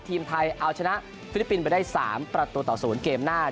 ทีมไทยเอาชนะฟิลิปปินส์ไปได้๓ประตูต่อ๐เกมหน้า